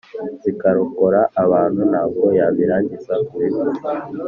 zikarokora abantu ntabwo yabirangizakubivuga